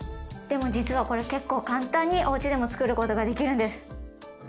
でも実はこれ結構簡単におうちでもつくることができるんです。